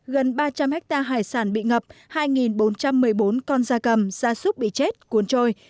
gần ba trăm linh hectare hải sản bị ngập hai bốn trăm một mươi bốn con da cầm da súc bị chết cuốn trôi